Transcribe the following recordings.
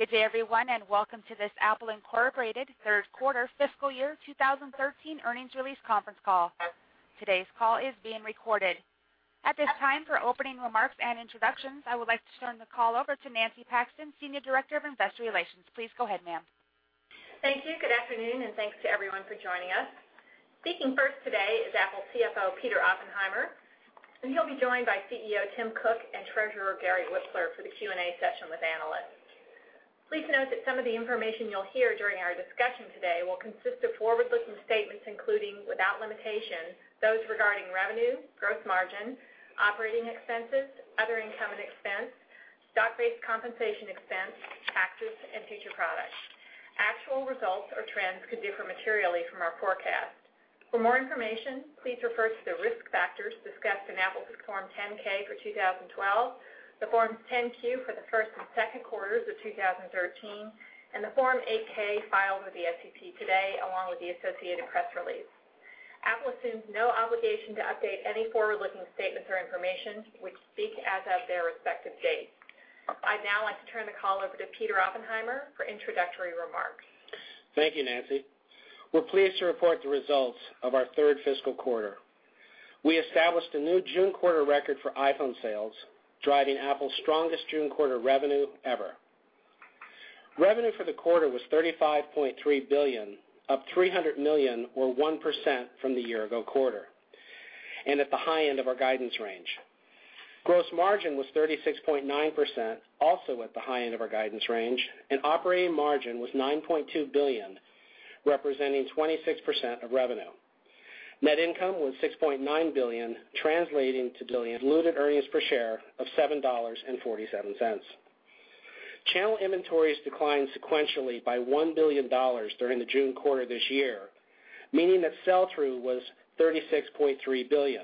Good day, everyone, and welcome to this Apple Inc Third Quarter Fiscal Year 2013 Earnings Release Conference Call. Today's call is being recorded. At this time, for opening remarks and introductions, I would like to turn the call over to Nancy Paxton, Senior Director of Investor Relations. Please go ahead, ma'am. Thank you. Good afternoon, and thanks to everyone for joining us. Speaking first today is Apple CFO, Peter Oppenheimer, and he'll be joined by CEO Tim Cook and Treasurer Gary Wipfler for the Q&A session with analysts. Please note that some of the information you'll hear during our discussion today will consist of forward-looking statements, including without limitation, those regarding revenue, gross margin, operating expenses, other income and expense, stock-based compensation expense, taxes and future products. Actual results or trends could differ materially from our forecast. For more information, please refer to the risk factors discussed in Apple's Form 10-K for 2012, the Forms 10-Q for the first and second quarters of 2013, and the Form 8-K filed with the SEC today, along with the associated press release. Apple assumes no obligation to update any forward-looking statements or information which speak as of their respective dates. I'd now like to turn the call over to Peter Oppenheimer for introductory remarks. Thank you, Nancy. We're pleased to report the results of our third fiscal quarter. We established a new June quarter record for iPhone sales, driving Apple's strongest June quarter revenue ever. Revenue for the quarter was $35.3 billion, up $300 million or 1% from the year-ago quarter, and at the high end of our guidance range. Gross margin was 36.9%, also at the high end of our guidance range, and operating margin was $9.2 billion, representing 26% of revenue. Net income was $6.9 billion, translating to diluted earnings per share of $7.47. Channel inventories declined sequentially by $1 billion during the June quarter this year, meaning that sell-through was $36.3 billion.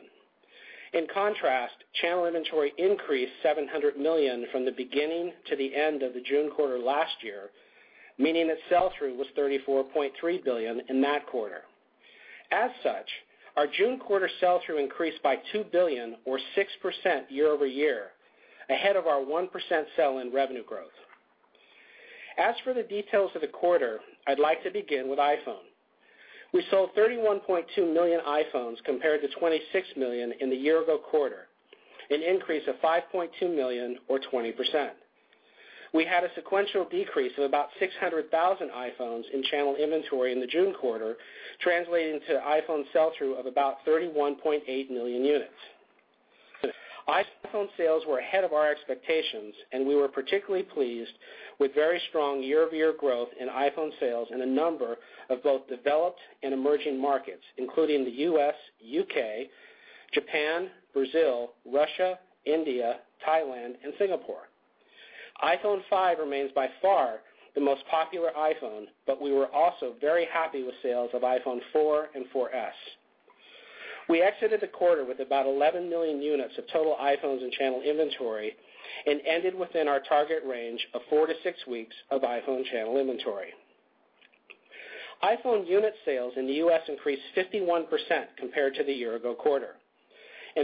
In contrast, channel inventory increased $700 million from the beginning to the end of the June quarter last year, meaning that sell-through was $34.3 billion in that quarter. As such, our June quarter sell-through increased by $2 billion or 6% year-over-year, ahead of our 1% sell-in revenue growth. As for the details of the quarter, I'd like to begin with iPhone. We sold 31.2 million iPhones compared to 26 million in the year ago quarter, an increase of 5.2 million or 20%. We had a sequential decrease of about 600,000 iPhones in channel inventory in the June quarter, translating to iPhone sell-through of about 31.8 million units. iPhone sales were ahead of our expectations. We were particularly pleased with very strong year-over-year growth in iPhone sales in a number of both developed and emerging markets, including the U.S., U.K., Japan, Brazil, Russia, India, Thailand and Singapore. iPhone 5 remains by far the most popular iPhone. We were also very happy with sales of iPhone 4 and 4S. We exited the quarter with about 11 million units of total iPhones in channel inventory and ended within our target range of four to six weeks of iPhone channel inventory. iPhone unit sales in the U.S. increased 51% compared to the year ago quarter.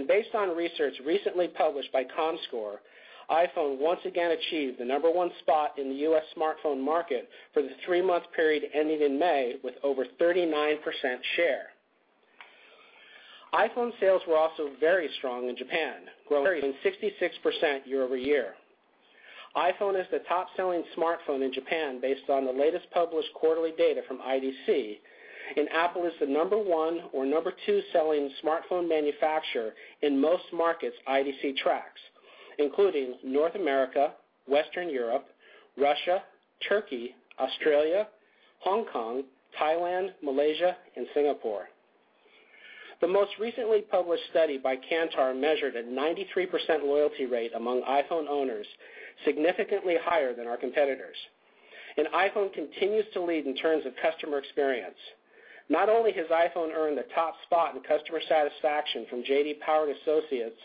Based on research recently published by Comscore, iPhone once again achieved the number one spot in the U.S. smartphone market for the three-month period ending in May with over 39% share. iPhone sales were also very strong in Japan, growing 66% year-over-year. iPhone is the top-selling smartphone in Japan based on the latest published quarterly data from IDC, and Apple is the number one or number two selling smartphone manufacturer in most markets IDC tracks, including North America, Western Europe, Russia, Turkey, Australia, Hong Kong, Thailand, Malaysia and Singapore. The most recently published study by Kantar measured a 93% loyalty rate among iPhone owners, significantly higher than our competitors. iPhone continues to lead in terms of customer experience. Not only has iPhone earned the top spot in customer satisfaction from J.D. Power and Associates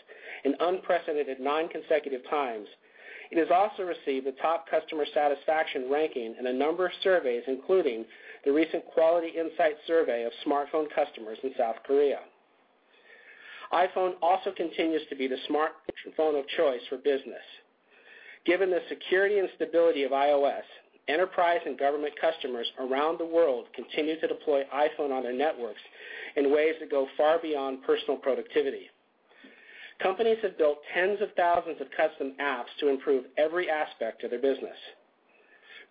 an unprecedented nine consecutive times, it has also received the top customer satisfaction ranking in a number of surveys, including the recent Quality Insight survey of smartphone customers in South Korea. iPhone also continues to be the smartphone of choice for business. Given the security and stability of iOS, enterprise and government customers around the world continue to deploy iPhone on their networks in ways that go far beyond personal productivity. Companies have built tens of thousands of custom apps to improve every aspect of their business.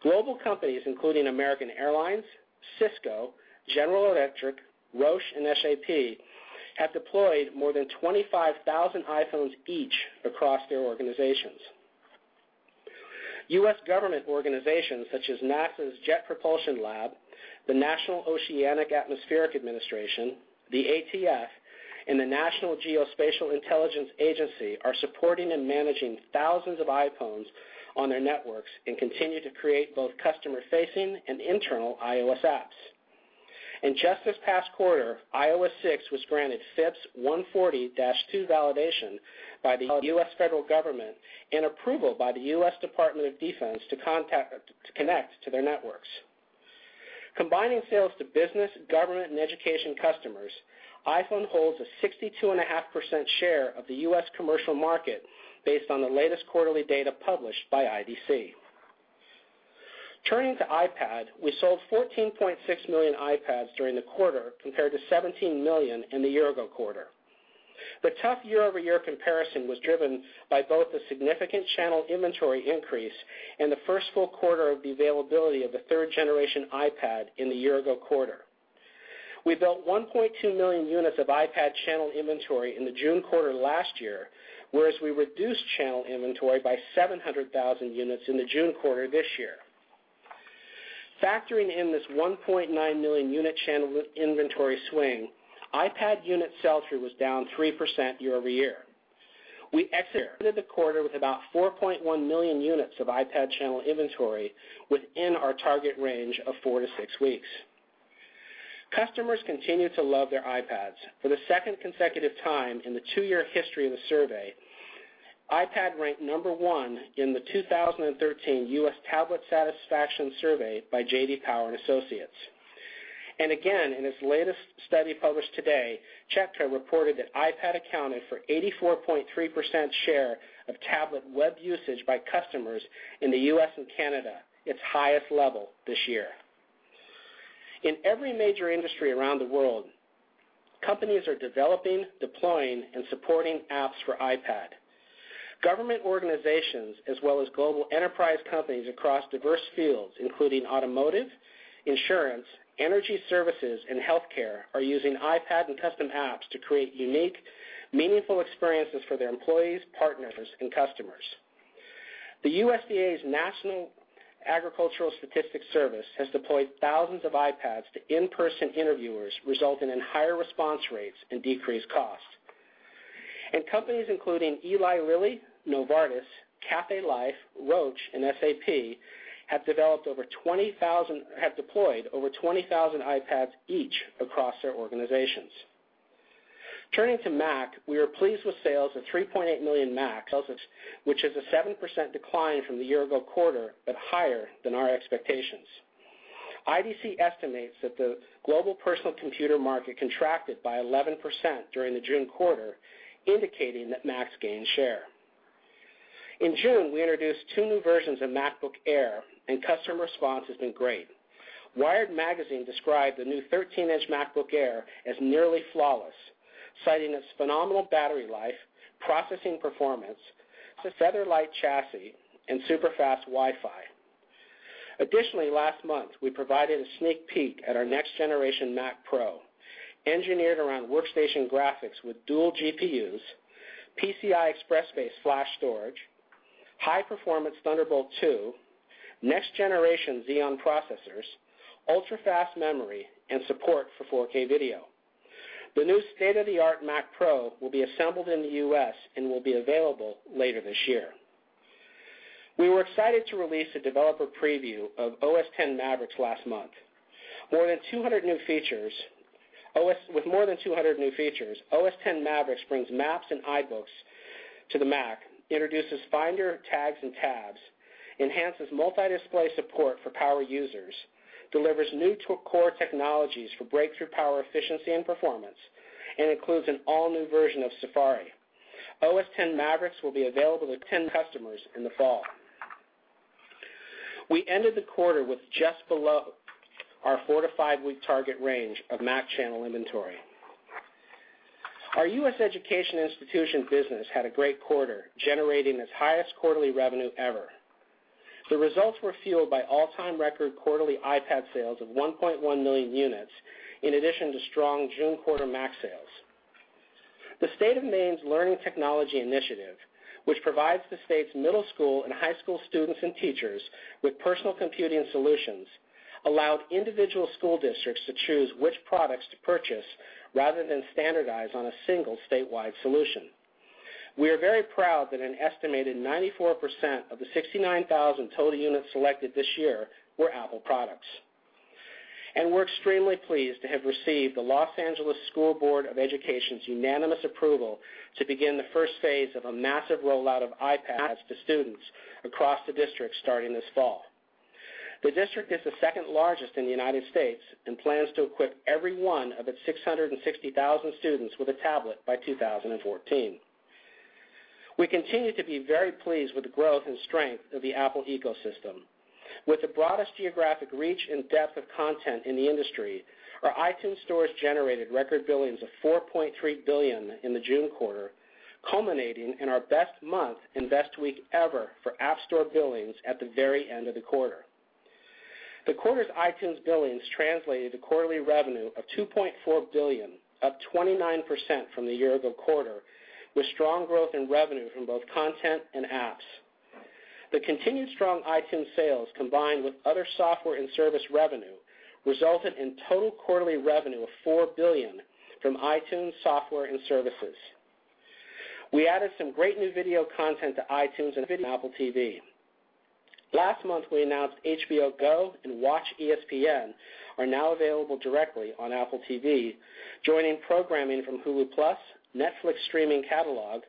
Global companies including American Airlines, Cisco, General Electric, Roche and SAP have deployed more than 25,000 iPhones each across their organizations. U.S. government organizations such as NASA's Jet Propulsion Lab, the National Oceanic Atmospheric Administration, the ATF, and the National Geospatial-Intelligence Agency are supporting and managing thousands of iPhones on their networks and continue to create both customer facing and internal iOS apps. In just this past quarter, iOS 6 was granted FIPS 140-2 validation by the U.S. Federal Government and approval by the U.S. Department of Defense to connect to their networks. Combining sales to business, government, and education customers, iPhone holds a 62.5% share of the U.S. commercial market based on the latest quarterly data published by IDC. Turning to iPad, we sold 14.6 million iPads during the quarter compared to 17 million in the year ago quarter. The tough year-over-year comparison was driven by both the significant channel inventory increase and the first full quarter of the availability of the third-generation iPad in the year ago quarter. We built 1.2 million units of iPad channel inventory in the June quarter last year, whereas we reduced channel inventory by 700,000 units in the June quarter this year. Factoring in this 1.9 million unit channel inventory swing, iPad unit sell-through was down 3% year-over-year. We exited the quarter with about 4.1 million units of iPad channel inventory within our target range of four to six weeks. Customers continue to love their iPads. For the second consecutive time in the two-year history of the survey, iPad ranked number one in the 2013 U.S. Tablet Satisfaction Survey by J.D. Power and Associates. Again, in its latest study published today, Chitika reported that iPad accounted for 84.3% share of tablet web usage by customers in the U.S. and Canada, its highest level this year. In every major industry around the world, companies are developing, deploying, and supporting apps for iPad. Government organizations as well as global enterprise companies across diverse fields, including automotive, insurance, energy services, and healthcare, are using iPad and custom apps to create unique, meaningful experiences for their employees, partners, and customers. The USDA's National Agricultural Statistics Service has deployed thousands of iPads to in-person interviewers, resulting in higher response rates and decreased costs. Companies including Eli Lilly, Novartis, CareFusion, Roche, and SAP have deployed over 20,000 iPads each across their organizations. Turning to Mac, we are pleased with sales of 3.8 million Macs, which is a 7% decline from the year-ago quarter, higher than our expectations. IDC estimates that the global personal computer market contracted by 11% during the June quarter, indicating that Macs gained share. In June, we introduced two new versions of MacBook Air, customer response has been great. Wired described the new 13-inch MacBook Air as nearly flawless, citing its phenomenal battery life, processing performance, its featherlight chassis, and super-fast Wi-Fi. Last month, we provided a sneak peek at our next-generation Mac Pro, engineered around workstation graphics with dual GPUs, PCI Express-based flash storage, high-performance Thunderbolt 2, next-generation Xeon processors, ultra-fast memory, and support for 4K video. The new state-of-the-art Mac Pro will be assembled in the U.S. and will be available later this year. We were excited to release a developer preview of OS X Mavericks last month. With more than 200 new features, OS X Mavericks brings Maps and iBooks to the Mac, introduces Finder tags and tabs, enhances multi-display support for power users, delivers new core technologies for breakthrough power efficiency and performance, and includes an all-new version of Safari. OS X Mavericks will be available to customers in the fall. We ended the quarter with just below our four to five-week target range of Mac channel inventory. Our U.S. education institution business had a great quarter, generating its highest quarterly revenue ever. The results were fueled by all-time record quarterly iPad sales of 1.1 million units in addition to strong June quarter Mac sales. The State of Maine Learning Technology Initiative, which provides the state's middle school and high school students and teachers with personal computing solutions, allowed individual school districts to choose which products to purchase rather than standardize on a single statewide solution. We are very proud that an estimated 94% of the 69,000 total units selected this year were Apple products. We're extremely pleased to have received the Los Angeles Unified School District Board of Education's unanimous approval to begin the first phase of a massive rollout of iPads to students across the district starting this fall. The district is the second-largest in the U.S. and plans to equip every one of its 660,000 students with a tablet by 2014. We continue to be very pleased with the growth and strength of the Apple ecosystem. With the broadest geographic reach and depth of content in the industry, our iTunes stores generated record billings of $4.3 billion in the June quarter, culminating in our best month and best week ever for App Store billings at the very end of the quarter. The quarter's iTunes billings translated to quarterly revenue of $2.4 billion, up 29% from the year-ago quarter, with strong growth in revenue from both content and apps. The continued strong iTunes sales, combined with other software and service revenue, resulted in total quarterly revenue of $4 billion from iTunes software and services. We added some great new video content to iTunes and Apple TV. Last month, we announced HBO GO and WatchESPN are now available directly on Apple TV, joining programming from Hulu Plus, Netflix streaming catalog,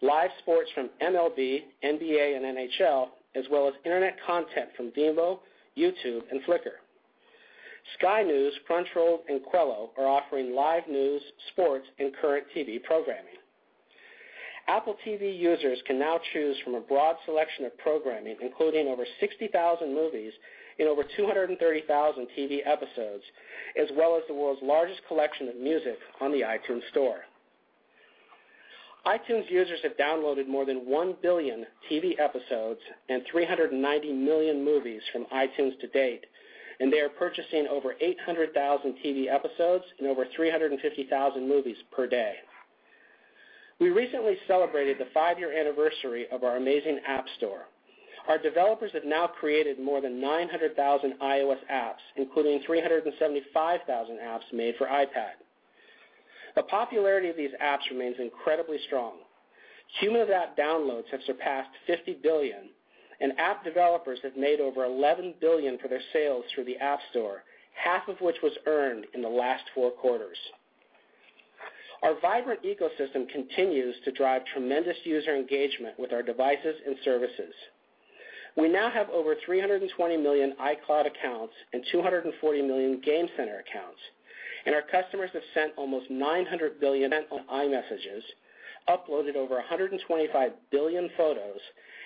live sports from MLB, NBA, and NHL, as well as internet content from Vevo, YouTube, and Flickr. Sky News, Crunchyroll, and Qello are offering live news, sports, and current TV programming. Apple TV users can now choose from a broad selection of programming, including over 60,000 movies and over 230,000 TV episodes, as well as the world's largest collection of music on the iTunes Store. iTunes users have downloaded more than 1 billion TV episodes and 390 million movies from iTunes to date. They are purchasing over 800,000 TV episodes and over 350,000 movies per day. We recently celebrated the five-year anniversary of our amazing App Store. Our developers have now created more than 900,000 iOS apps, including 375,000 apps made for iPad. The popularity of these apps remains incredibly strong. Cumulative app downloads have surpassed 50 billion, app developers have made over $11 billion for their sales through the App Store, half of which was earned in the last four quarters. Our vibrant ecosystem continues to drive tremendous user engagement with our devices and services. We now have over 320 million iCloud accounts and 240 million Game Center accounts, and our customers have sent almost 900 billion iMessages, uploaded over 125 billion photos,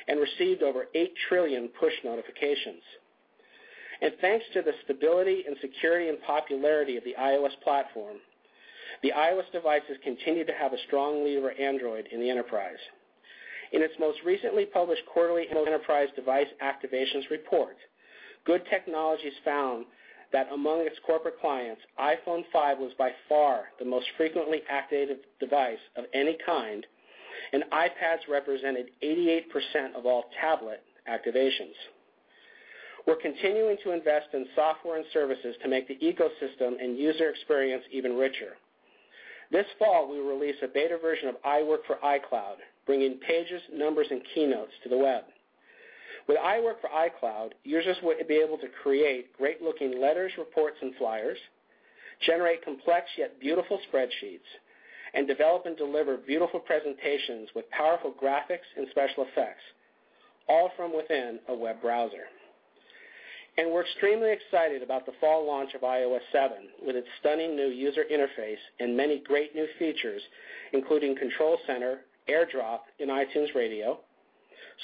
and received over 8 trillion push notifications. Thanks to the stability and security and popularity of the iOS platform, the iOS devices continue to have a strong lead over Android in the enterprise. In its most recently published quarterly enterprise device activations report, Good Technology found that among its corporate clients, iPhone 5 was by far the most frequently activated device of any kind, and iPads represented 88% of all tablet activations. We're continuing to invest in software and services to make the ecosystem and user experience even richer. This fall, we will release a beta version of iWork for iCloud, bringing Pages, Numbers, and Keynote to the web. With iWork for iCloud, users will be able to create great-looking letters, reports, and flyers, generate complex yet beautiful spreadsheets, and develop and deliver beautiful presentations with powerful graphics and special effects, all from within a web browser. We're extremely excited about the fall launch of iOS 7, with its stunning new user interface and many great new features, including Control Center, AirDrop, and iTunes Radio,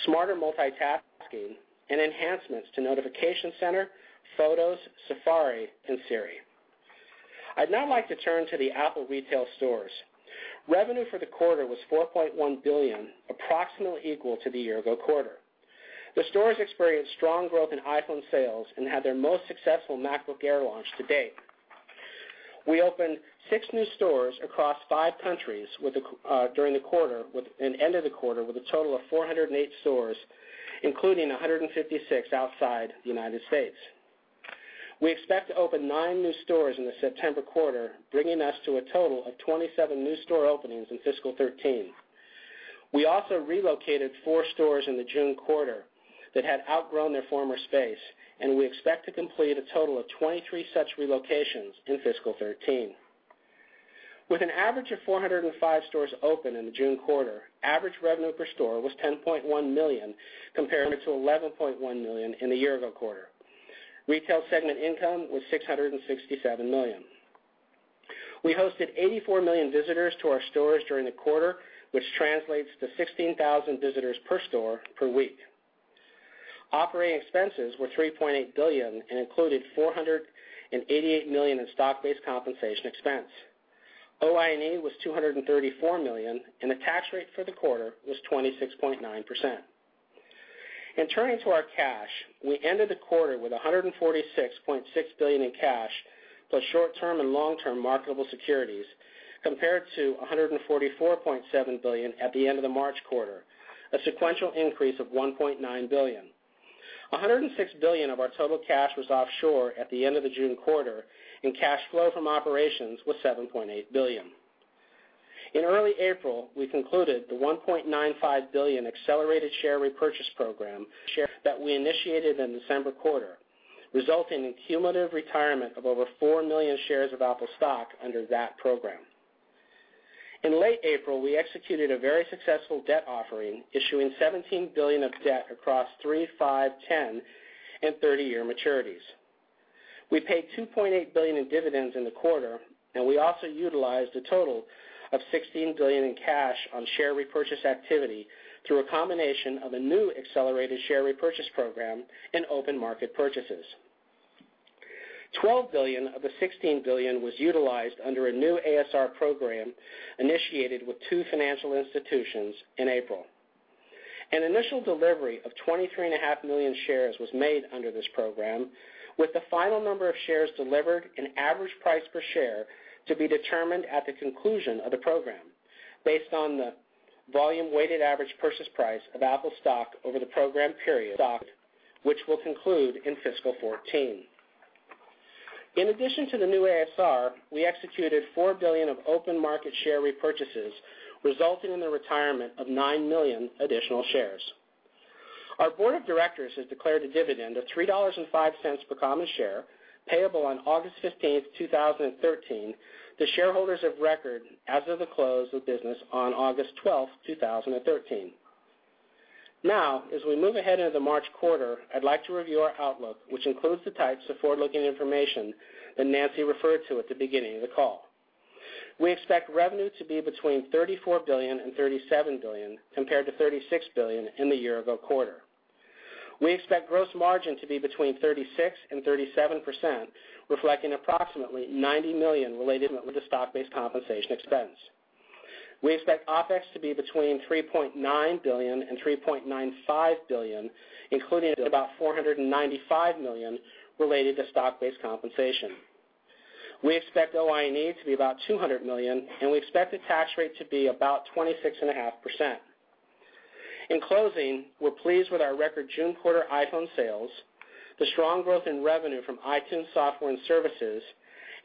smarter multitasking, and enhancements to Notification Center, Photos, Safari, and Siri. I'd now like to turn to the Apple retail stores. Revenue for the quarter was $4.1 billion, approximately equal to the year-ago quarter. The stores experienced strong growth in iPhone sales and had their most successful MacBook Air launch to date. We opened six new stores across five countries during the quarter, ending the quarter with a total of 408 stores, including 156 outside the U.S. We expect to open nine new stores in the September quarter, bringing us to a total of 27 new store openings in fiscal 2013. We also relocated four stores in the June quarter that had outgrown their former space, and we expect to complete a total of 23 such relocations in fiscal 2013. With an average of 405 stores open in the June quarter, average revenue per store was $10.1 million, compared to $11.1 million in the year-ago quarter. Retail segment income was $667 million. We hosted 84 million visitors to our stores during the quarter, which translates to 16,000 visitors per store per week. Operating expenses were $3.8 billion and included $488 million in stock-based compensation expense. OI&E was $234 million, and the tax rate for the quarter was 26.9%. In turning to our cash, we ended the quarter with $146.6 billion in cash, plus short-term and long-term marketable securities, compared to $144.7 billion at the end of the March quarter, a sequential increase of $1.9 billion. $106 billion of our total cash was offshore at the end of the June quarter, and cash flow from operations was $7.8 billion. In early April, we concluded the $1.95 billion accelerated share repurchase program share that we initiated in the December quarter, resulting in cumulative retirement of over 4 million shares of Apple stock under that program. In late April, we executed a very successful debt offering, issuing $17 billion of debt across three, five, 10, and 30-year maturities. We paid $2.8 billion in dividends in the quarter, and we also utilized a total of $16 billion in cash on share repurchase activity through a combination of a new accelerated share repurchase program and open market purchases. $12 billion of the $16 billion was utilized under a new ASR program initiated with two financial institutions in April. An initial delivery of 23.5 million shares was made under this program, with the final number of shares delivered and average price per share to be determined at the conclusion of the program based on the volume-weighted average purchase price of Apple stock over the program period, which will conclude in fiscal 2014. In addition to the new ASR, we executed $4 billion of open market share repurchases, resulting in the retirement of 9 million additional shares. Our Board of Directors has declared a dividend of $3.05 per common share payable on August 15, 2013 to shareholders of record as of the close of business on August 12, 2013. As we move ahead into the March quarter, I'd like to review our outlook, which includes the types of forward-looking information that Nancy referred to at the beginning of the call. We expect revenue to be between $34 billion-$37 billion compared to $36 billion in the year-ago quarter. We expect gross margin to be between 36%-37%, reflecting approximately $90 million related with the stock-based compensation expense. We expect OpEx to be between $3.9 billion-$3.95 billion, including about $495 million related to stock-based compensation. We expect OI&E to be about $200 million, we expect the tax rate to be about 26.5%. In closing, we're pleased with our record June quarter iPhone sales, the strong growth in revenue from iTunes software and services,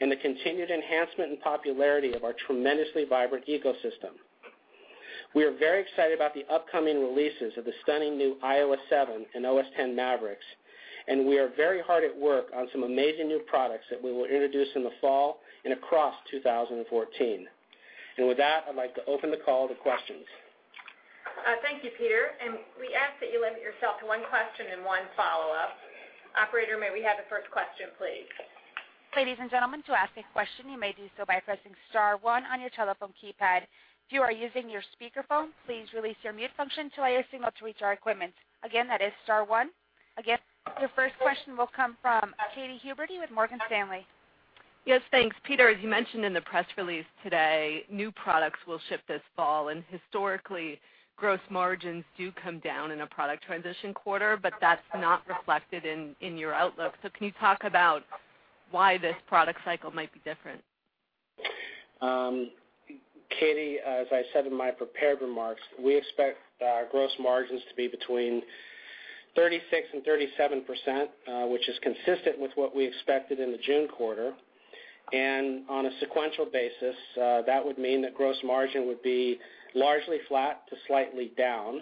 and the continued enhancement and popularity of our tremendously vibrant ecosystem. We are very excited about the upcoming releases of the stunning new iOS 7 and OS X Mavericks, we are very hard at work on some amazing new products that we will introduce in the fall and across 2014. With that, I'd like to open the call to questions. Thank you, Peter. We ask that you limit yourself to one question and one follow-up. Operator, may we have the first question, please? Again, your first question will come from Katy Huberty with Morgan Stanley. Yes, thanks. Peter, as you mentioned in the press release today, new products will ship this fall, and historically, gross margins do come down in a product transition quarter, but that's not reflected in your outlook. Can you talk about why this product cycle might be different? Katy, as I said in my prepared remarks, we expect our gross margins to be between 36% and 37%, which is consistent with what we expected in the June Quarter. On a sequential basis, that would mean that gross margin would be largely flat to slightly down.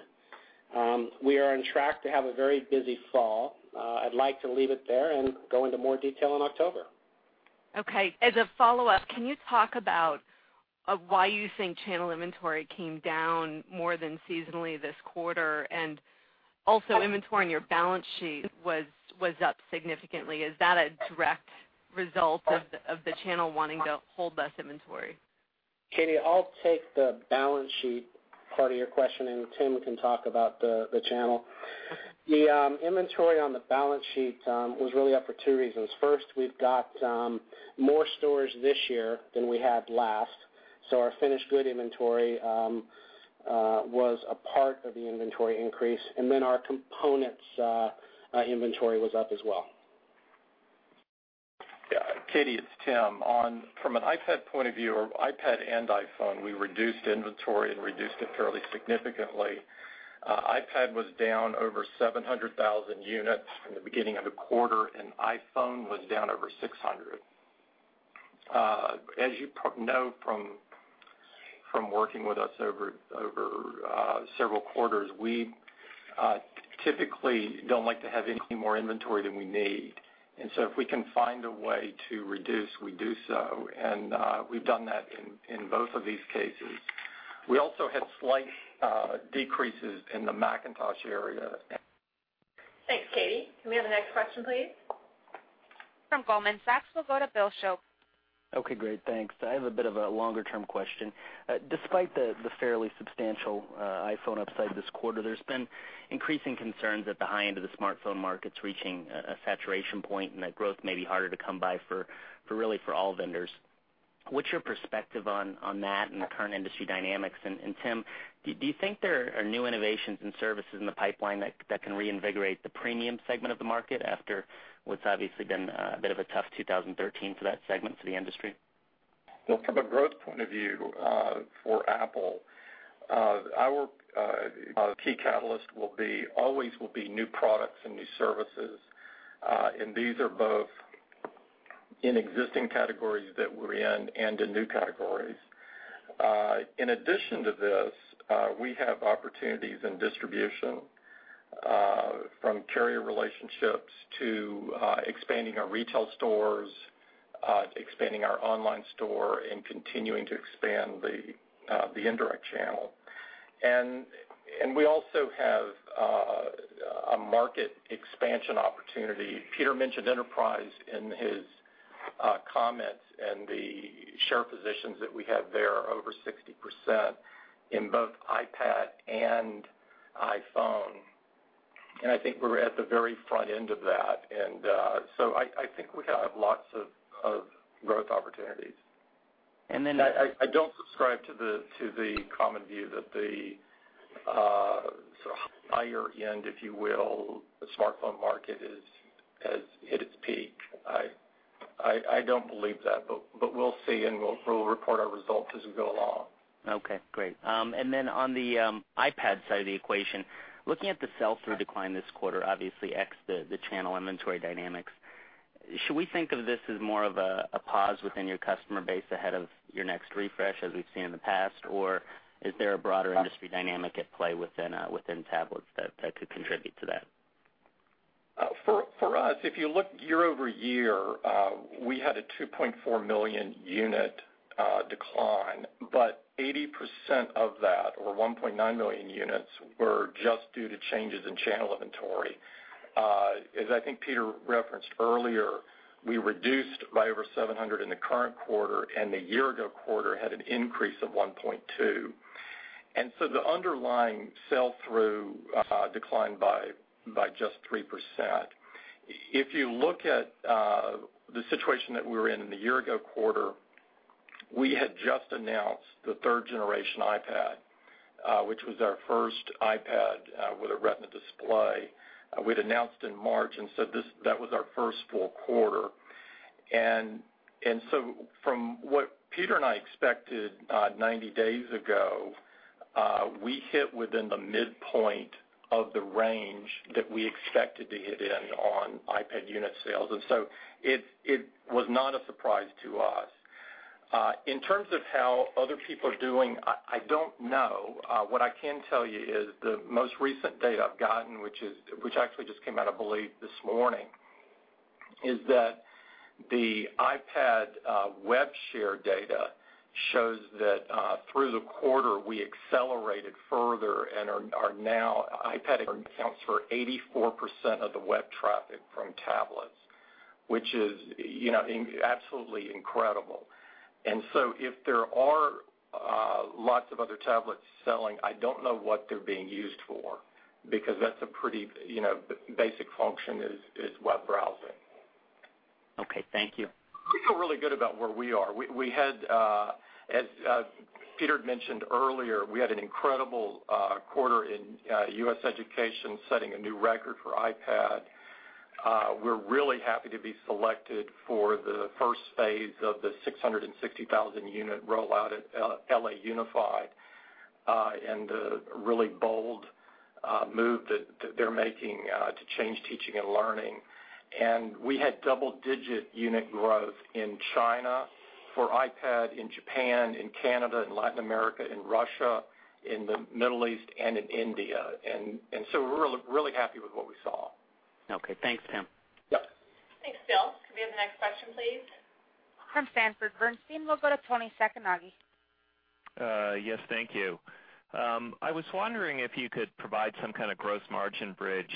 We are on track to have a very busy fall. I'd like to leave it there and go into more detail in October. Okay. As a follow-up, can you talk about why you think channel inventory came down more than seasonally this quarter? Also inventory on your balance sheet was up significantly. Is that a direct result of the channel wanting to hold less inventory? Katy, I'll take the balance sheet part of your question. Tim can talk about the channel. The inventory on the balance sheet was really up for two reasons. First, we've got more stores this year than we had last, so our finished good inventory was a part of the inventory increase. Our components inventory was up as well. Katy, it's Tim. From an iPad point of view or iPad and iPhone, we reduced inventory and reduced it fairly significantly. iPad was down over 700,000 units from the beginning of the quarter, and iPhone was down over 600. As you know from working with us over several quarters, we typically don't like to have any more inventory than we need. If we can find a way to reduce, we do so. We've done that in both of these cases. We also had slight decreases in the Macintosh area. Thanks, Katy. Can we have the next question, please? From Goldman Sachs, we'll go to Bill Shope. Okay, great. Thanks. I have a bit of a longer-term question. Despite the fairly substantial iPhone upside this quarter, there's been increasing concerns at the high end of the smartphone market's reaching a saturation point and that growth may be harder to come by for really, for all vendors. What's your perspective on that and the current industry dynamics? Tim, do you think there are new innovations and services in the pipeline that can reinvigorate the premium segment of the market after what's obviously been a bit of a tough 2013 for that segment to the industry? Well, from a growth point of view, for Apple, our key catalyst always will be new products and new services. These are both in existing categories that we're in and in new categories. In addition to this, we have opportunities in distribution, from carrier relationships to expanding our retail stores, expanding our online store, continuing to expand the indirect channel. We also have a market expansion opportunity. Peter mentioned enterprise in his comments. The share positions that we have there are over 60% in both iPad and iPhone. I think we're at the very front end of that. I think we have lots of growth opportunities. I don't subscribe to the common view that the sort of higher end, if you will, the smartphone market has hit its peak. I don't believe that, but we'll see, and we'll report our results as we go along. Okay, great. On the iPad side of the equation, looking at the sell-through decline this quarter, obviously ex the channel inventory dynamics, should we think of this as more of a pause within your customer base ahead of your next refresh as we've seen in the past? Or is there a broader industry dynamic at play within tablets that could contribute to that? For us, if you look year-over-year, we had a 2.4 million unit decline, but 80% of that or 1.9 million units were just due to changes in channel inventory. As I think Peter referenced earlier, we reduced by over 700 in the current quarter, and the year ago quarter had an increase of 1.2%. The underlying sell-through declined by just 3%. If you look at the situation that we were in in the year ago quarter, we had just announced the third-generation iPad, which was our first iPad with a Retina display. We'd announced in March, that was our first full quarter. So from what Peter and I expected, 90 days ago, we hit within the midpoint of the range that we expected to hit in on iPad unit sales. It was not a surprise to us. In terms of how other people are doing, I don't know. What I can tell you is the most recent data I've gotten, which actually just came out, I believe, this morning, is that the iPad web share data shows that through the quarter, we accelerated further and are now iPad accounts for 84% of the web traffic from tablets, which is, you know, absolutely incredible. If there are lots of other tablets selling, I don't know what they're being used for because that's a pretty, you know, basic function is web browsing. Okay. Thank you. We feel really good about where we are. We had, as Peter had mentioned earlier, we had an incredible quarter in U.S. education, setting a new record for iPad. We're really happy to be selected for the first phase of the 660,000-unit rollout at L.A. Unified, and a really bold move that they're making to change teaching and learning. We had double-digit unit growth in China for iPad, in Japan, in Canada, in Latin America, in Russia, in the Middle East, and in India. We're really happy with what we saw. Okay. Thanks, Tim. Yep. Thanks, Bill. Could we have the next question, please? From Sanford Bernstein, we'll go to Toni Sacconaghi. Yes, thank you. I was wondering if you could provide some kind of gross margin bridge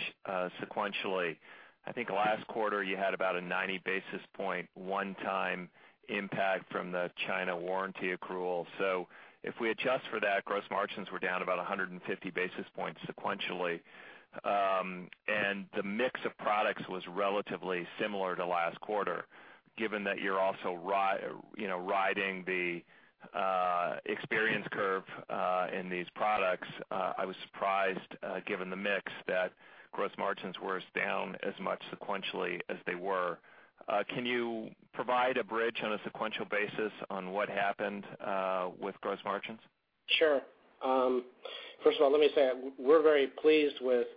sequentially. I think last quarter you had about a 90 basis point one-time impact from the China warranty accrual. If we adjust for that, gross margins were down about 150 basis points sequentially. The mix of products was relatively similar to last quarter. Given that you're also you know, riding the experience curve in these products, I was surprised given the mix that gross margins were as down as much sequentially as they were. Can you provide a bridge on a sequential basis on what happened with gross margins? Sure. First of all, let me say we're very pleased with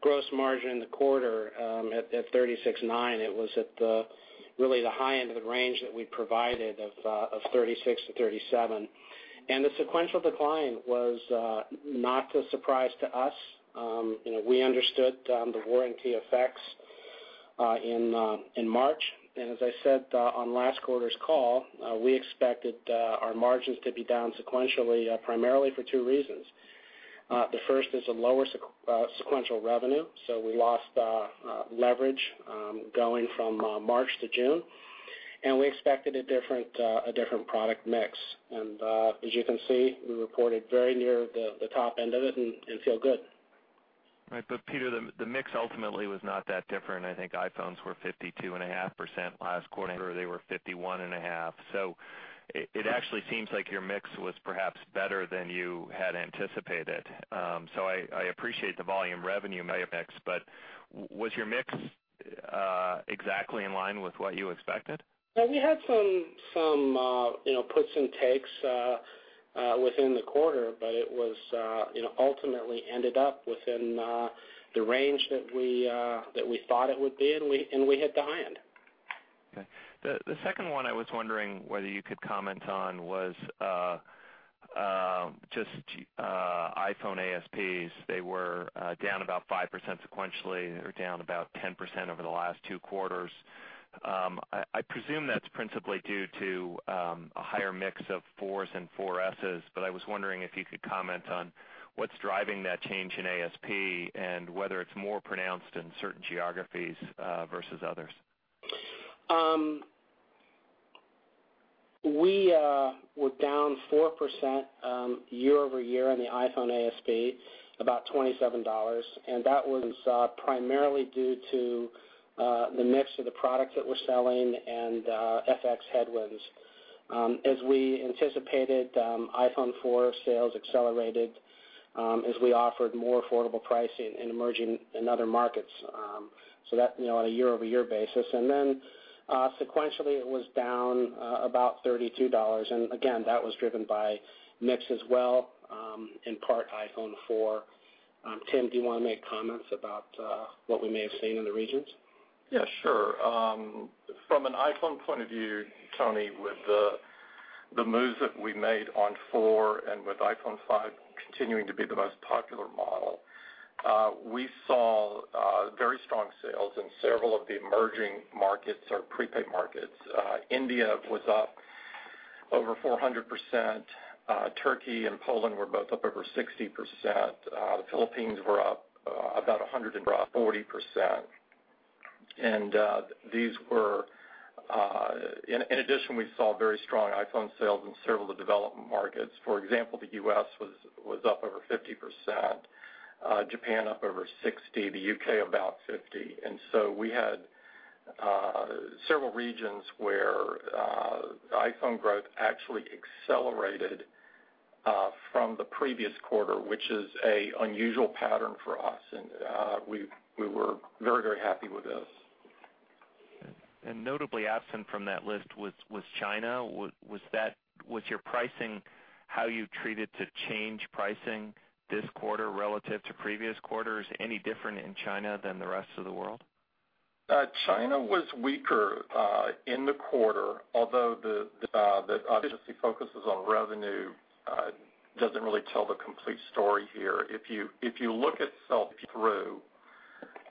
gross margin in the quarter, at $36.9. It was really the high end of the range that we provided of $36-$37. The sequential decline was not a surprise to us. We understood the warranty effects in March. As I said on last quarter's call, we expected our margins to be down sequentially primarily for two reasons. The first is a lower sequential revenue. We lost leverage going from March to June, and we expected a different product mix. As you can see, we reported very near the top end of it and feel good. Right. Peter, the mix ultimately was not that different. I think iPhones were 52.5% last quarter. They were 51.5%. It actually seems like your mix was perhaps better than you had anticipated. I appreciate the volume revenue mix, but was your mix exactly in line with what you expected? Well, we had some, you know, puts and takes within the quarter, it was, you know, ultimately ended up within the range that we thought it would be, we hit the high end. Okay. The second one I was wondering whether you could comment on was just iPhone ASPs. They were down about 5% sequentially or down about 10% over the last two quarters. I presume that's principally due to a higher mix of iPhone 4s and iPhone 4Ss, but I was wondering if you could comment on what's driving that change in ASP and whether it's more pronounced in certain geographies versus others. We were down 4% year-over-year on the iPhone ASP, about $27. That was primarily due to the mix of the products that we're selling and FX headwinds. As we anticipated, iPhone 4 sales accelerated as we offered more affordable pricing in emerging and other markets, you know, on a year-over-year basis. Sequentially, it was down about $32. That was driven by mix as well, in part iPhone 4. Tim, do you wanna make comments about what we may have seen in the regions? Sure. From an iPhone point of view, Toni, with the moves that we made on iPhone 4 and with iPhone 5 continuing to be the most popular model, we saw very strong sales in several of the emerging markets or prepaid markets. India was up over 400%. Turkey and Poland were both up over 60%. The Philippines were up about 140%. These were. In addition, we saw very strong iPhone sales in several of the developed markets. For example, the U.S. was up over 50%, Japan up over 60, the U.K. about 50. We had several regions where iPhone growth actually accelerated from the previous quarter, which is an unusual pattern for us, and we were very happy with this. Notably absent from that list was China. Was your pricing, how you treated to change pricing this quarter relative to previous quarters any different in China than the rest of the world? China was weaker in the quarter, although the efficiency focuses on revenue doesn't really tell the complete story here. If you look at sell-through,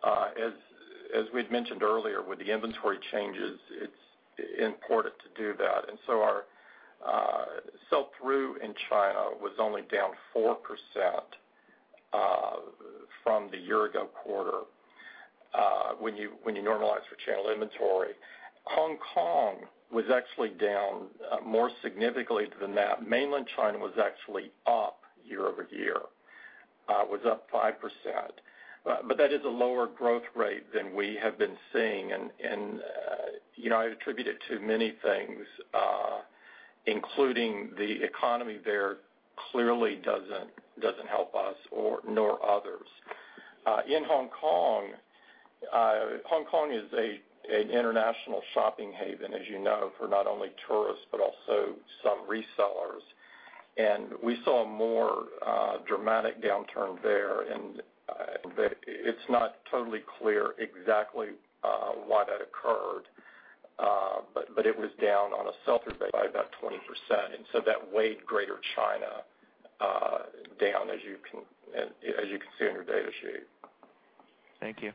as we'd mentioned earlier, with the inventory changes, it's important to do that. Our sell-through in China was only down 4% from the year-ago quarter when you normalize for channel inventory. Hong Kong was actually down more significantly than that. Mainland China was actually up year-over-year, was up 5%. That is a lower growth rate than we have been seeing and I attribute it to many things, including the economy there clearly doesn't help us or nor others. In Hong Kong, Hong Kong is an international shopping haven, as you know, for not only tourists, but also some resellers. We saw a more dramatic downturn there and it's not totally clear exactly why that occurred. But it was down on a sell-through base by about 20%, and so that weighed Greater China down as you can see on your data sheet. Thank you.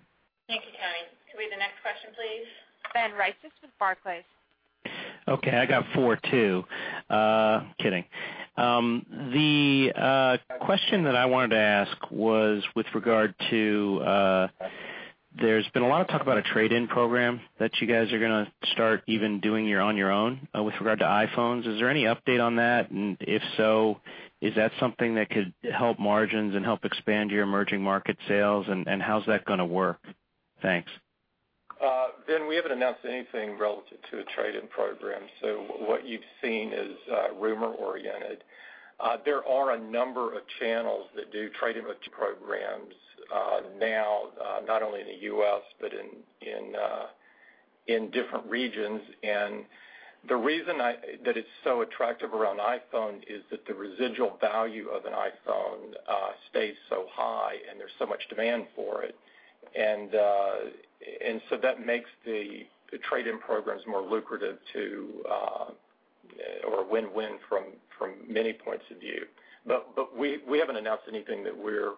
Thank you, Toni. Can we have the next question, please? Ben Reitzes with Barclays. Okay, I got four too. Kidding. The question that I wanted to ask was with regard to, there's been a lot of talk about a trade-in program that you guys are gonna start even doing your own with regard to iPhones. Is there any update on that? If so, is that something that could help margins and help expand your emerging market sales? How's that gonna work? Thanks. Ben, we haven't announced anything relative to a trade-in program, what you've seen is rumor-oriented. There are a number of channels that do trade-in programs now, not only in the U.S., but in different regions. The reason that it's so attractive around iPhone is that the residual value of an iPhone stays so high, and there's so much demand for it. That makes the trade-in programs more lucrative to or win-win from many points of view. We haven't announced anything that we're,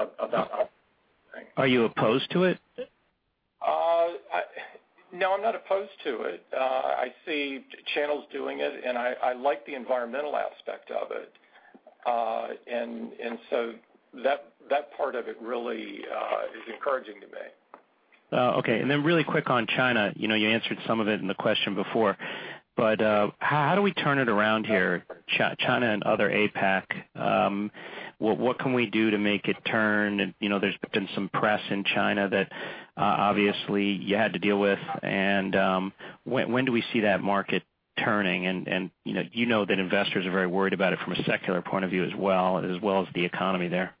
that about. Are you opposed to it? No, I'm not opposed to it. I see channels doing it, and I like the environmental aspect of it. That part of it really is encouraging to me. Okay. Really quick on China, you know, you answered some of it in the question before, but, how do we turn it around here, China and other APAC? What can we do to make it turn? You know, there's been some press in China that, obviously you had to deal with. When do we see that market turning? You know that investors are very worried about it from a secular point of view as well, as well as the economy there.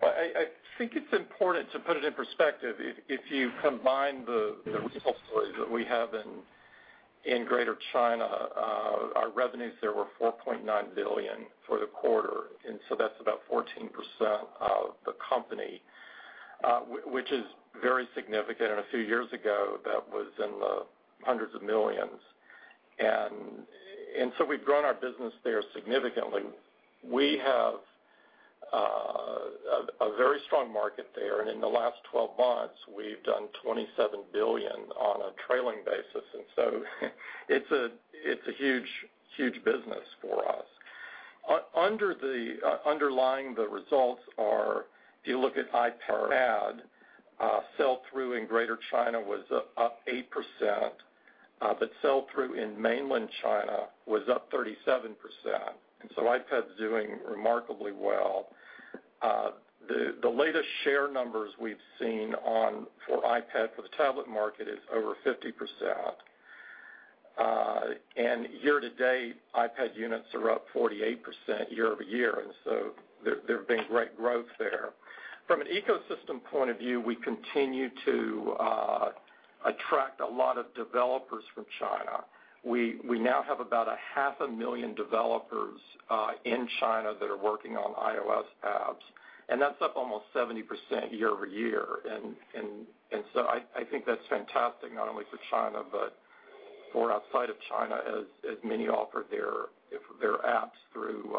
Well, I think it's important to put it in perspective. If you combine the results that we have in Greater China, our revenues there were $4.9 billion for the quarter, that's about 14% of the company, which is very significant. A few years ago, that was in the hundreds of millions. We've grown our business there significantly. We have a very strong market there, in the last 12 months, we've done $27 billion on a trailing basis. It's a huge, huge business for us. Underlying the results are, if you look at iPad, sell-through in Greater China was up 8%, sell-through in Mainland China was up 37%. iPad's doing remarkably well. The latest share numbers we've seen on, for iPad for the tablet market is over 50%. Year-to-date, iPad units are up 48% year-over-year, there have been great growth there. From an ecosystem point of view, we continue to attract a lot of developers from China. We now have about 500,000 developers in China that are working on iOS apps. That's up almost 70% year-over-year. I think that's fantastic not only for China but for outside of China as many offer their apps through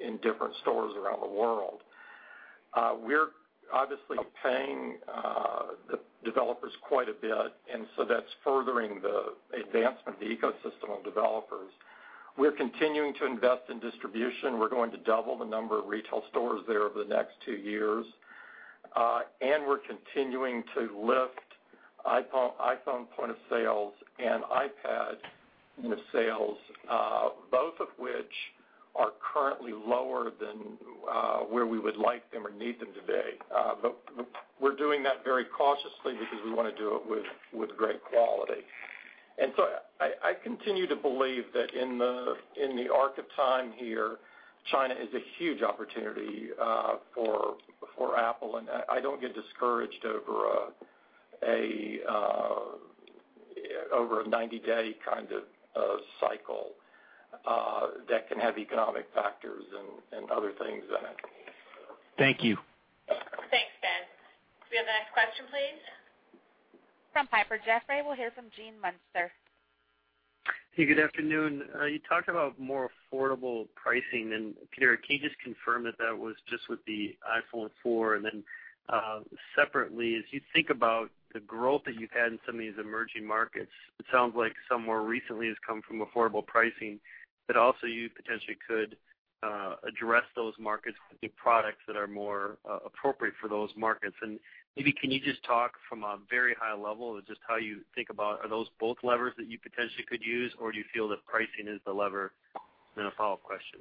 in different stores around the world. We're obviously paying the developers quite a bit, that's furthering the advancement of the ecosystem of developers. We're continuing to invest in distribution. We're going to double the number of retail stores there over the next two years. We're continuing to lift iPhone point of sales and iPad net sales, both of which are currently lower than where we would like them or need them today. But we wanna do that very cautiously because we wanna do it with great quality. I continue to believe that in the arc of time here, China is a huge opportunity for Apple, and I don't get discouraged over a 90-day kind of cycle that can have economic factors and other things in it. Thank you. Thanks, Ben. Could we have the next question, please? From Piper Jaffray, we'll hear from Gene Munster. Hey, good afternoon. You talked about more affordable pricing. Peter, can you just confirm that that was just with the iPhone 4? Separately, as you think about the growth that you've had in some of these emerging markets, it sounds like some more recently has come from affordable pricing, but also you potentially could address those markets with the products that are more appropriate for those markets. Maybe can you just talk from a very high level just how you think about are those both levers that you potentially could use, or do you feel that pricing is the lever? A follow-up question.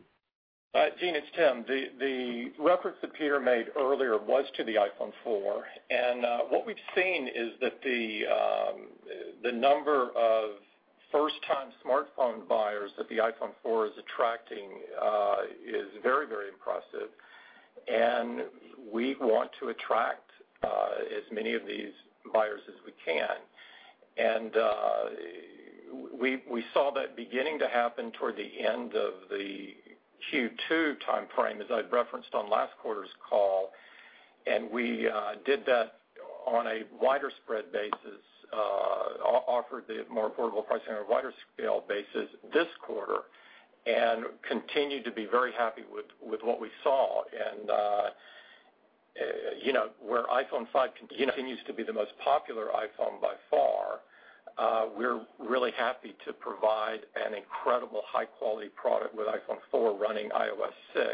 Gene, it's Tim. The reference that Peter made earlier was to the iPhone 4. What we've seen is that the number of first time smartphone buyers that the iPhone 4 is attracting is very, very impressive, and we want to attract as many of these buyers as we can. We saw that beginning to happen toward the end of the Q2 timeframe, as I'd referenced on last quarter's call, and we did that on a wider spread basis, offered the more affordable pricing on a wider scale basis this quarter and continued to be very happy with what we saw. You know, where iPhone 5 continues to be the most popular iPhone by far, we're really happy to provide an incredible high-quality product with iPhone 4 running iOS 6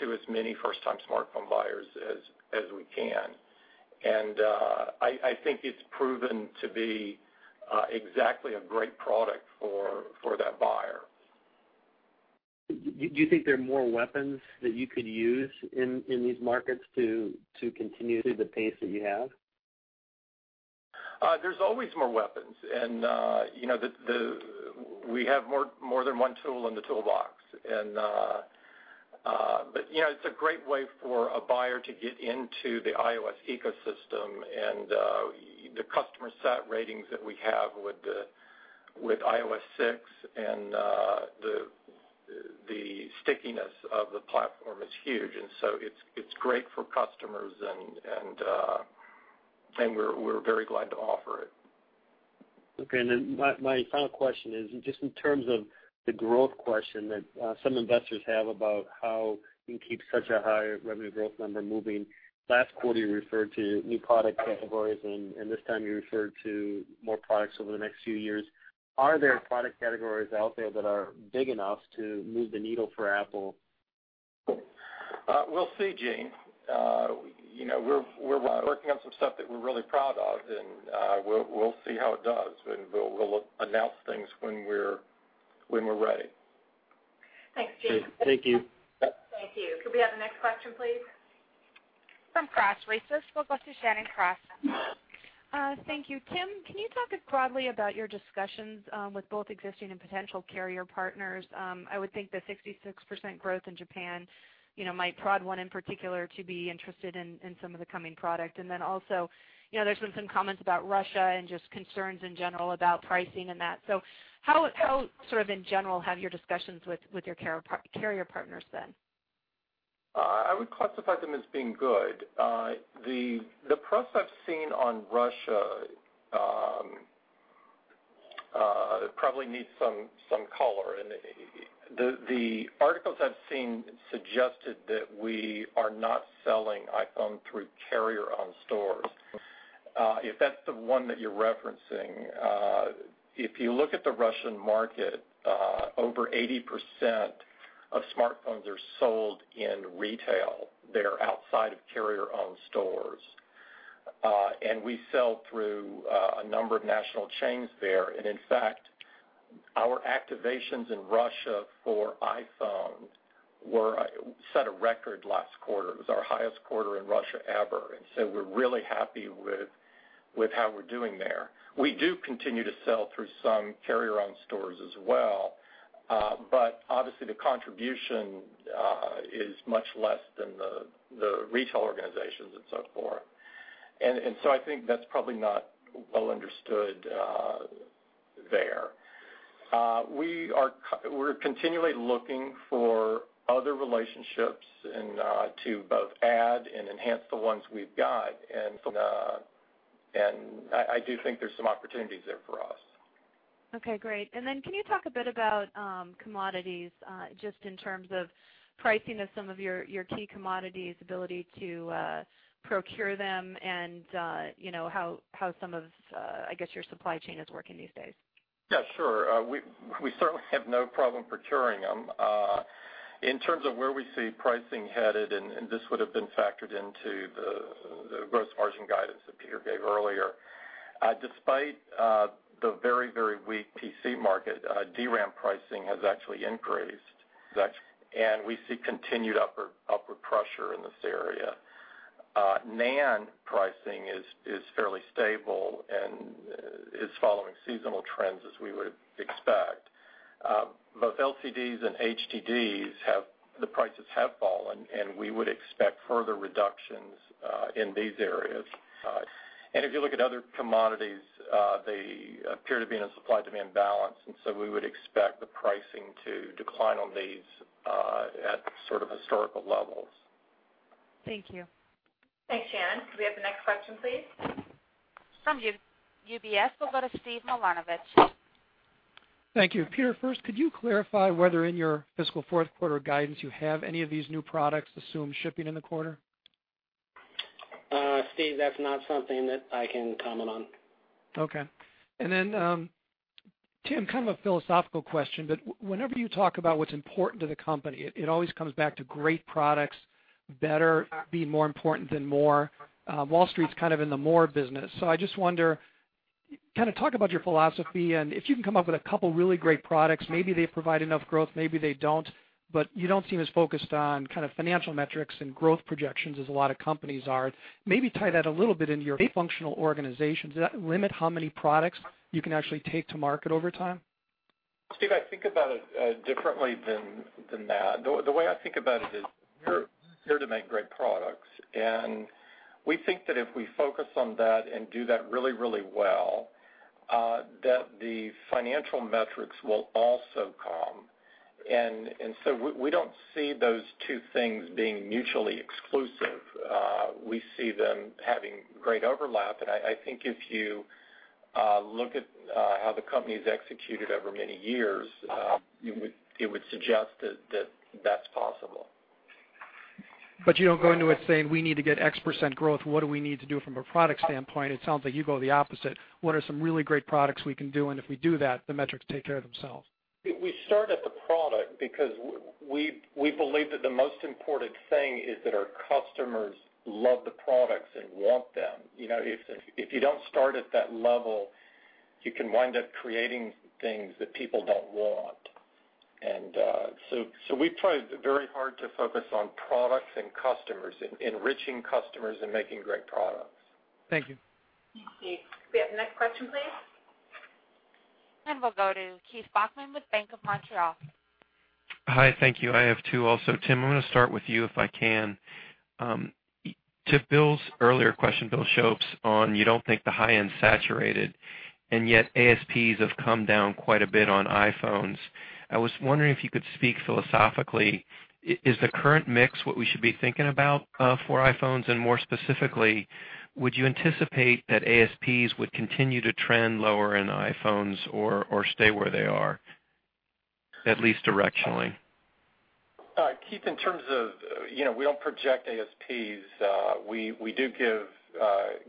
to as many first-time smartphone buyers as we can. I think it's proven to be exactly a great product for that buyer. Do you think there are more weapons that you could use in these markets to continue the pace that you have? There's always more weapons. You know, we have more than one tool in the toolbox. You know, it's a great way for a buyer to get into the iOS ecosystem. The customer sat ratings that we have with iOS 6 and the stickiness of the platform is huge. It's great for customers, and we're very glad to offer it. Okay. My final question is just in terms of the growth question that some investors have about how you can keep such a high revenue growth number moving. Last quarter, you referred to new product categories, and this time you referred to more products over the next few years. Are there product categories out there that are big enough to move the needle for Apple? We'll see, Gene. We're working on some stuff that we're really proud of, and we'll see how it does, and we'll announce things when we're ready. Thanks, Gene. Thank you. Thank you. Could we have the next question, please? From Cross Research, we'll go to Shannon Cross. Thank you. Tim, can you talk broadly about your discussions with both existing and potential carrier partners? I would think the 66% growth in Japan, you know, might prod one in particular to be interested in some of the coming product. Also, you know, there's been some comments about Russia and just concerns in general about pricing and that. How sort of in general have your discussions with your carrier partners been? I would classify them as being good. The press I've seen on Russia probably needs some color. The articles I've seen suggested that we are not selling iPhone through carrier-owned stores. If that's the one that you're referencing, if you look at the Russian market, over 80% of smartphones are sold in retail. They're outside of carrier-owned stores. We sell through a number of national chains there. In fact, our activations in Russia for iPhone set a record last quarter. It was our highest quarter in Russia ever. We're really happy with how we're doing there. We do continue to sell through some carrier-owned stores as well. Obviously the contribution is much less than the retail organizations and so forth. I think that's probably not well understood there. We're continually looking for other relationships and to both add and enhance the ones we've got. I do think there's some opportunities there for us. Okay, great. Can you talk a bit about commodities, just in terms of pricing of some of your key commodities, ability to procure them and how some of your supply chain is working these days? Sure. We certainly have no problem procuring them. In terms of where we see pricing headed, this would have been factored into the gross margin guidance that Peter gave earlier, despite the very, very weak PC market, DRAM pricing has actually increased. We see continued upward pressure in this area. NAND pricing is fairly stable and is following seasonal trends as we would expect. Both LCDs and HDDs, the prices have fallen, and we would expect further reductions in these areas. If you look at other commodities, they appear to be in a supply-demand balance, we would expect the pricing to decline on these at sort of historical levels. Thank you. Thanks, Shannon. Could we have the next question, please? From UBS, we'll go to Steve Milunovich. Thank you. Peter, first, could you clarify whether in your fiscal fourth quarter guidance you have any of these new products assumed shipping in the quarter? Steve, that's not something that I can comment on. Okay. Then, Tim, kind of a philosophical question, whenever you talk about what's important to the company, it always comes back to great products, better be more important than more. Wall Street's kind of in the more business, I just wonder, talk about your philosophy and if you can come up with a couple really great products, maybe they provide enough growth, maybe they don't, but you don't seem as focused on kind of financial metrics and growth projections as a lot of companies are. Maybe tie that a little bit into your functional organizations. Does that limit how many products you can actually take to market over time? Steve, I think about it differently than that. The way I think about it is we're here to make great products. We think that if we focus on that and do that really, really well, that the financial metrics will also come. We don't see those two things being mutually exclusive. We see them having great overlap, and I think if you look at how the company's executed over many years, it would suggest that that's possible. You don't go into it saying, "We need to get X% growth. What do we need to do from a product standpoint?" It sounds like you go the opposite. What are some really great products we can do, and if we do that, the metrics take care of themselves? We start at the product because we believe that the most important thing is that our customers love the products and want them. You know, if you don't start at that level, you can wind up creating things that people don't want. So we've tried very hard to focus on products and customers, enriching customers and making great products. Thank you. Thank you. Could we have the next question, please? We'll go to Keith Bachman with Bank of Montreal. Hi. Thank you. I have two also. Tim, I'm going to start with you, if I can. To Bill's earlier question, Bill Shope, on you don't think the high end's saturated, and yet ASPs have come down quite a bit on iPhones. I was wondering if you could speak philosophically. Is the current mix what we should be thinking about for iPhones, and more specifically, would you anticipate that ASPs would continue to trend lower in iPhones or stay where they are, at least directionally? Keith, in terms of, you know, we don't project ASPs. We do give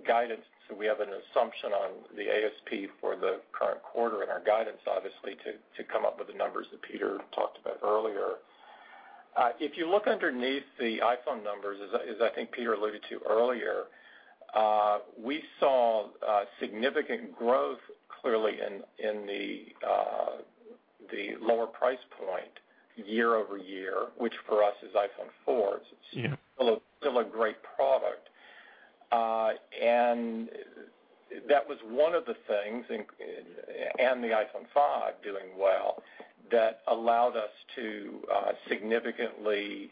guidance, so we have an assumption on the ASP for the current quarter in our guidance, obviously to come up with the numbers that Peter talked about earlier. If you look underneath the iPhone numbers, as I think Peter alluded to earlier, we saw significant growth clearly in the lower price point year-over-year, which for us is iPhone 4S. It's still a, still a great product. That was one of the things the iPhone 5 doing well, that allowed us to significantly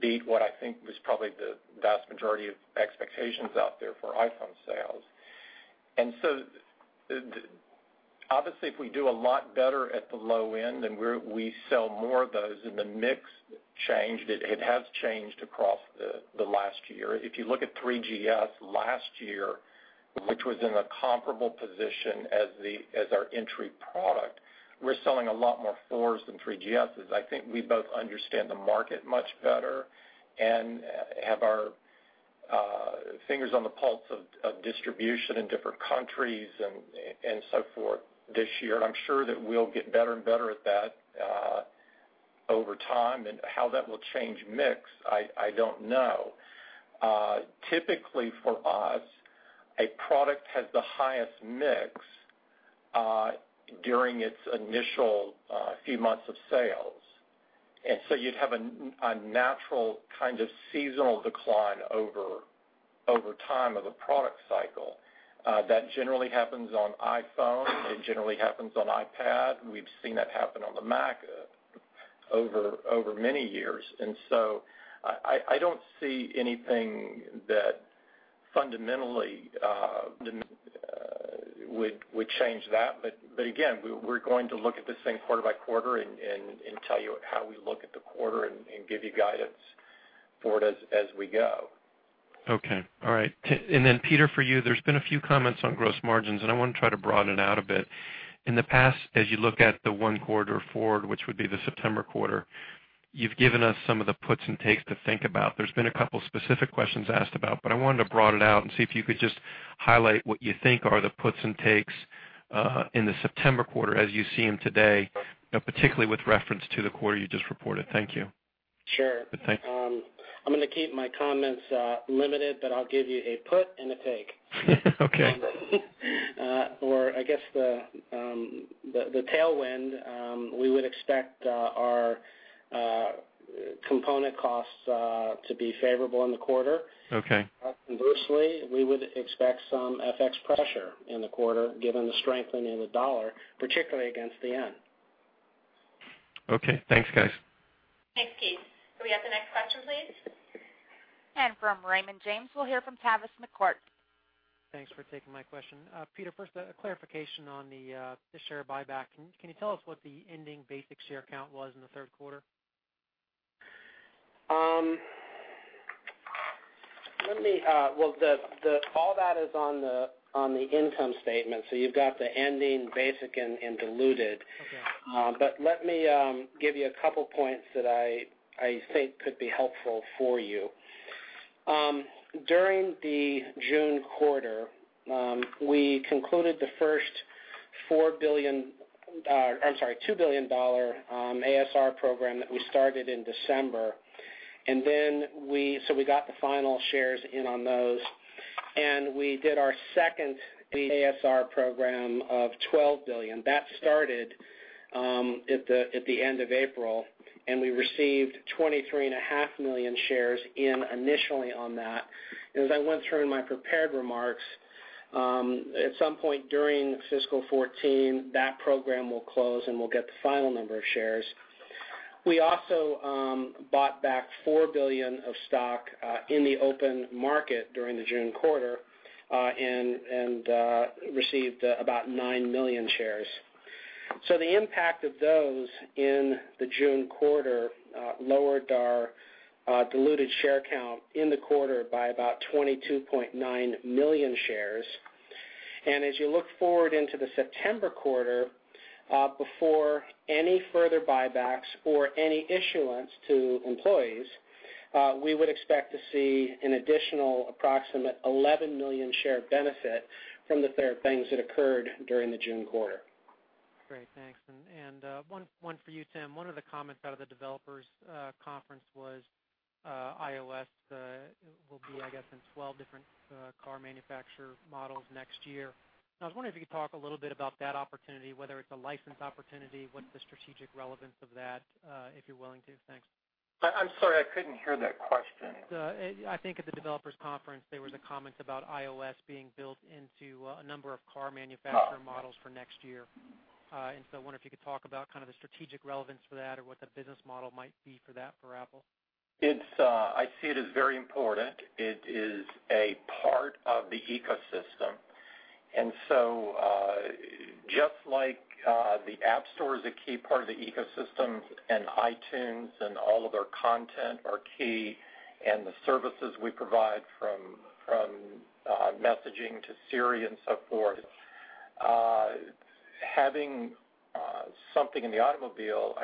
beat what I think was probably the vast majority of expectations out there for iPhone sales. Obviously, if we do a lot better at the low end and we sell more of those and the mix changed, it has changed across the last year. If you look at 3GS last year, which was in a comparable position as our entry product, we're selling a lot more iPhone 4S than 3GSs. I think we both understand the market much better and have our fingers on the pulse of distribution in different countries and so forth this year, and I'm sure that we'll get better and better at that over time. How that will change mix, I don't know. Typically for us, a product has the highest mix during its initial few months of sales. you'd have a natural kind of seasonal decline over time of a product cycle. That generally happens on iPhone. It generally happens on iPad. We've seen that happen on the Mac. Over many years. I don't see anything that fundamentally would change that. again, we're going to look at this thing quarter by quarter and tell you how we look at the quarter and give you guidance for it as we go. Okay. All right. Peter, for you, there's been a few comments on gross margins, I want to try to broaden out a bit. In the past, as you look at the next quarter forward, which would be the September quarter, you've given us some of the puts and takes to think about. There's been a couple specific questions asked about, I wanted to broaden it out and see if you could just highlight what you think are the puts and takes in the September quarter as you see them today, you know, particularly with reference to the quarter you just reported. Thank you. Sure. I'm gonna keep my comments limited, but I'll give you a put and a take. I guess the tailwind, we would expect our component costs to be favorable in the quarter. Conversely, we would expect some FX pressure in the quarter given the strengthening of the dollar, particularly against the yen. Okay. Thanks, guys. Thanks, Keith. Could we have the next question, please? From Raymond James, we'll hear from Tavis McCourt. Thanks for taking my question. Peter, first, a clarification on the share buyback. Can you tell us what the ending basic share count was in the third quarter? Well, all that is on the income statement. You've got the ending basic and diluted. Let me give you a couple points that I think could be helpful for you. During the June quarter, we concluded the first $2 billion ASR program that we started in December. We got the final shares in on those, we did our second ASR program of $12 billion. That started at the end of April, we received 23.5 million shares in initially on that. As I went through in my prepared remarks, at some point during fiscal 2014, that program will close, we'll get the final number of shares. We also bought back $4 billion of stock in the open market during the June quarter, received about 9 million shares. The impact of those in the June quarter lowered our diluted share count in the quarter by about 22.9 million shares. As you look forward into the September quarter, before any further buybacks or any issuance to employees, we would expect to see an additional approximate 11 million share benefit from the things that occurred during the June quarter. Great. Thanks. One for you, Tim. One of the comments out of the Worldwide Developers Conference was iOS will be, I guess, in 12 different car manufacturer models next year. I was wondering if you could talk a little bit about that opportunity, whether it's a license opportunity, what's the strategic relevance of that, if you're willing to. Thanks. I'm sorry, I couldn't hear that question. The, I think at the Developers Conference, there was a comment about iOS being built into a number of car manufacturer models for next year. I wonder if you could talk about kind of the strategic relevance for that or what the business model might be for that for Apple. It's, I see it as very important. It is a part of the ecosystem. Just like the App Store is a key part of the ecosystem and iTunes and all of our content are key and the services we provide from messaging to Siri and so forth, having something in the automobile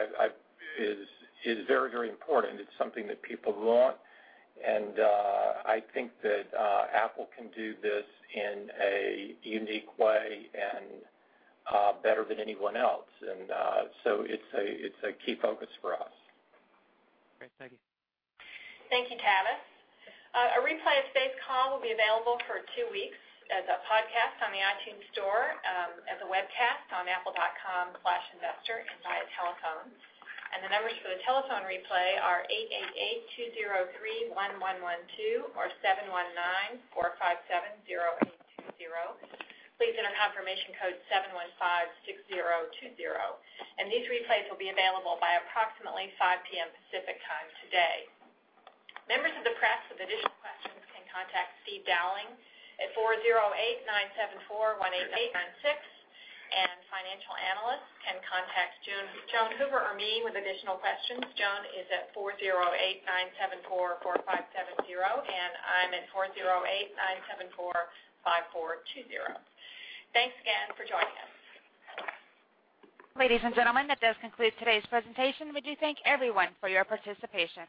is very, very important. It's something that people want, I think that Apple can do this in a unique way and better than anyone else. It's a key focus for us. Great. Thank you. Thank you, Tavis. A replay of today's call will be available for two weeks as a podcast on the iTunes Store, as a webcast on apple.com/investor and via telephone. The numbers for the telephone replay are 888-203-1112 or 719-457-0820. Please enter confirmation code 7156020. These replays will be available by approximately 5:00 P.M. Pacific Time today. Members of the press with additional questions can contact Steve Dowling at 408-974-18896, and financial analysts can contact Joan Hoover or me with additional questions. Joan is at 408-974-4570, and I'm at 408-974-5420. Thanks again for joining us. Ladies and gentlemen, that does conclude today's presentation. We do thank everyone for your participation.